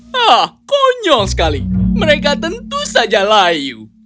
hah konyol sekali mereka tentu saja layu